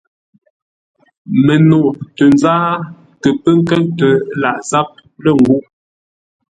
Məno tə nzáa kə pə́ nkə́ʼtə lâʼ záp lə́ ńgúʼ.